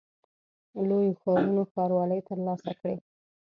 لویو ښارونو ښاروالۍ ترلاسه کړې.